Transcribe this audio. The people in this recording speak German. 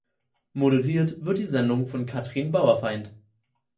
Moderiert wird die Sendung von Katrin Bauerfeind.